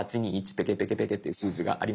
ペケペケペケっていう数字がありますが。